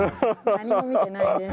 何も見てないです。